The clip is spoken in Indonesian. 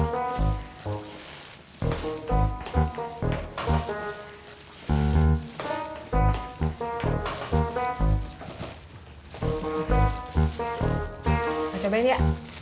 masak banyak ya